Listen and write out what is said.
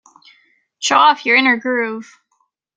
Show off your inner groove.